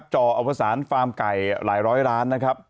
เจาะอวสารฟาร์มไก่หลายร้อยล้าน